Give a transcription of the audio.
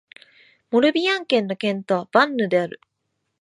モルビアン県の県都はヴァンヌである